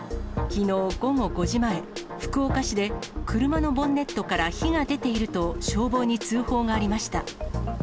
きのう午後５時前、福岡市で車のボンネットから火が出ていると消防に通報がありました。